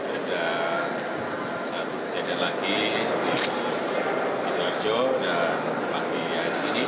ada satu kejadian lagi di sidoarjo dan pagi hari ini